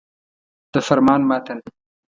د فرمان متن.